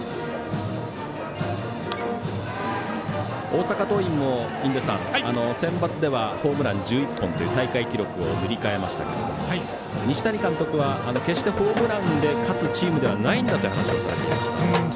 大阪桐蔭もセンバツではホームラン１１本という大会記録を塗り替えましたが西谷監督は決してホームランで勝つチームではないんだと話をされていました。